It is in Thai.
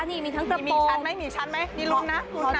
นี่มีทั้งกระโปรงมีชั้นไหมมีชั้นไหมมีรุ่นนะรุ่นนะ